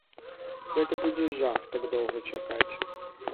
Гэта будзе жах так доўга чакаць.